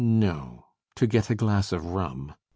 No. To get a glass of rum.